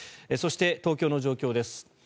そして、東京の状況です。